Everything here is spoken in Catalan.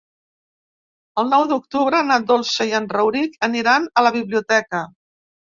El nou d'octubre na Dolça i en Rauric aniran a la biblioteca.